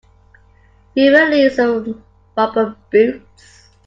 You will need some rubber boots.